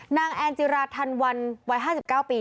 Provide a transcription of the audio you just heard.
แอนจิราธันวันวัย๕๙ปี